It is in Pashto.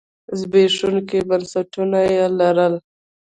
زبېښونکي بنسټونه یې لرل.